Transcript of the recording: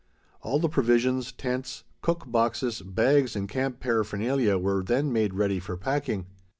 All the provisions, tents, cook boxes, bags, and camp paraphernalia were then made ready for packing.